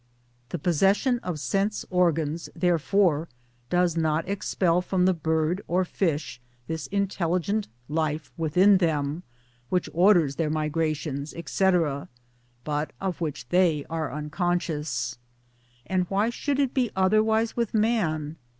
The possession of sense organs, there fore, does not expel from the Bird or Fish this Intelli gent Life within them, which orders their migrations, etc., but of which they are unconscious. And why should it be otherwise with man?